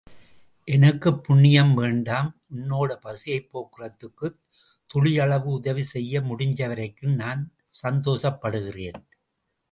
எனக்குப் புண்ணியம் வேண்டாம் உன்னோட பசியைப் போக்குறதுக்குத் துளியளவு உதவிசெய்ய முடிஞ்ச வரைக்கும் நான் சந்தோஷப்படுகிறேன்.